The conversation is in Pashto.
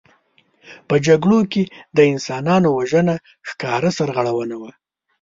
په جګړو کې د انسانانو وژنه ښکاره سرغړونه وه.